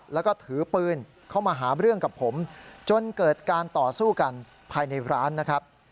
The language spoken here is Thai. แล้วก็ถือปืนเข้ามาหาเรื่องกับผมจนเกิดการต่อสู้กันภายในร้านนะครับ